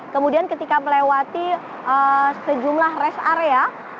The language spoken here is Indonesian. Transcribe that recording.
kemudian ketika melewati sejumlah rest area